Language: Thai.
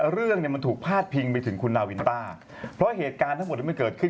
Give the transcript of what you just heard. เรื่องเนี่ยมันถูกพาดพิงไปถึงคุณนาวินต้าเพราะเหตุการณ์ทั้งหมดที่มันเกิดขึ้น